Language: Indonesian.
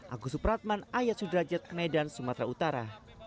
agus supratman ayat sudrajat medan sumatera utara